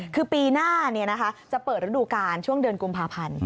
คือปีหน้าจะเปิดฤดูกาลช่วงเดือนกุมภาพันธ์